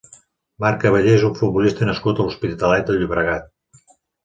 Marc Caballé és un futbolista nascut a l'Hospitalet de Llobregat.